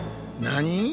何！？